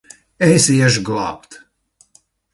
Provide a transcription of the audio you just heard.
Es iešu glābt!